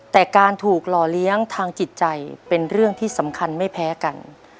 แต่การถูกหล่อเลี้ยงทางจิตใจเป็นเรื่องที่สำคัญไม่แพ้กัน